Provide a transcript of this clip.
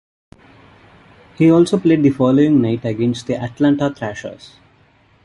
He also played the following night against the Atlanta Thrashers.